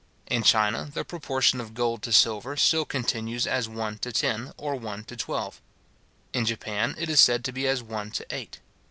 In China, the proportion of gold to silver still continues as one to ten, or one to twelve. In Japan, it is said to be as one to eight.